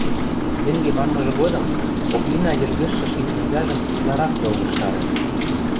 Тенге манмыжы годым Оклина йӹлгӹжшӹ шим сӹнзӓжӹм утларак йолгыжтарен